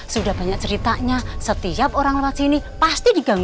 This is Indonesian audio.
sudah banyak ceritanya setiap orang lewat sini pasti diganggu